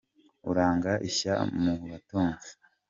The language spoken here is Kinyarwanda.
Uranga ishya mu batunzi.